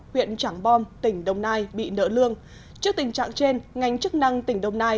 huyện trảng bom tỉnh đồng nai bị nợ lương trước tình trạng trên ngành chức năng tỉnh đồng nai